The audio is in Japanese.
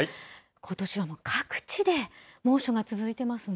ことしは各地で猛暑が続いていますね。